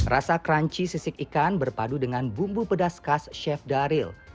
rasa crunchy sisik ikan berpadu dengan bumbu pedas khas chef daryl